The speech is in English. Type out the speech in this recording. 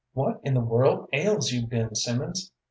"What in the world ails you, Ben Simmons?"